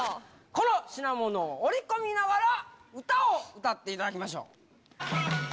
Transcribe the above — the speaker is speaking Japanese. この品物をおりこみながら、歌を歌っていただきましょう。